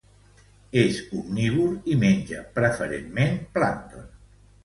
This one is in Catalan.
És omnívor i menja preferentment plàncton.